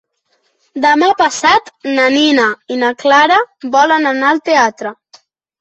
Demà passat na Nina i na Clara volen anar al teatre.